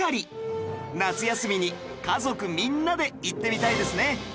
夏休みに家族みんなで行ってみたいですね